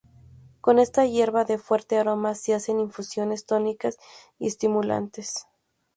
Con esta hierba, de fuerte aroma, se hacen infusiones tónicas y estimulantes.